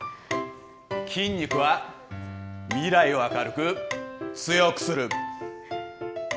筋肉は未来を明るく強くする。